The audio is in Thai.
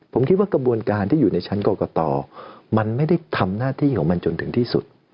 ผมคิดว่ากระบวนการที่อยู่ในชั้นกรกตมันไม่ได้ทำหน้าที่ของมันจนถึงที่สุด